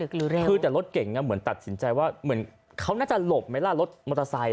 คือแต่รถเก่งเหมือนตัดสินใจว่าเหมือนเขาน่าจะหลบไหมล่ะรถมอเตอร์ไซค